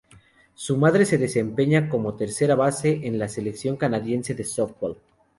Su madre se desempeñaba como tercera base en la selección canadiense de sóftbol.